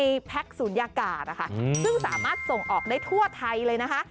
มีแพ็คศูนยากาศนะคะซึ่งสามารถส่งออกได้ทั่วไทยเลยนะคะ